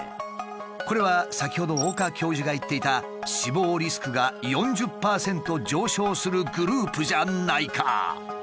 これは先ほど岡教授が言っていた死亡リスクが４０％上昇するグループじゃないか！？